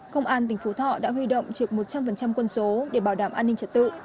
công an tỉnh phú thọ đã huy động trực một trăm linh quân số để bảo đảm an ninh trật tự